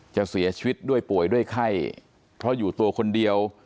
จะเสียชีวิตด้วยป่วยด้วยไข้เพราะอยู่ตัวคนเดียว